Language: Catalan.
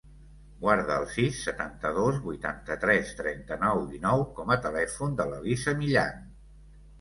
Guarda el sis, setanta-dos, vuitanta-tres, trenta-nou, dinou com a telèfon de l'Elisa Millan.